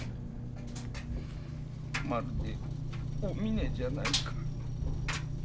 まるでおみねじゃないか。